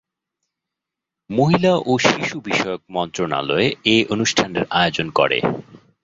মহিলা ও শিশু বিষয়ক মন্ত্রণালয় এ অনুষ্ঠানের আয়োজন করে।